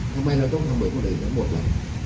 ทำไมเราต้องทำเหมือนคนอื่นทั้งหมดล่ะ